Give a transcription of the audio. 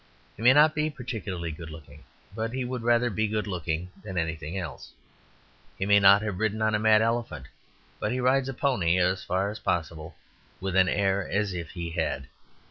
He may not be particularly good looking, but he would rather be good looking than anything else; he may not have ridden on a mad elephant, but he rides a pony as far as possible with an air as if he had.